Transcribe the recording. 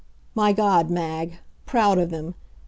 My God, Mag! Proud of him.